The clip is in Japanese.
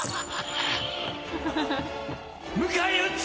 迎え撃つ！